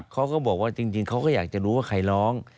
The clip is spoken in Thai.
เขาก็บอกว่าจริงเขาก็อยากจะรู้ว่าใครร้อง